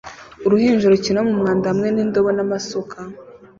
Uruhinja rukina mu mwanda hamwe n'indobo n'amasuka